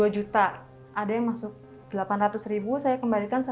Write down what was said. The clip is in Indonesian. dua juta ada yang masuk delapan ratus ribu saya kembalikan satu juta delapan ratus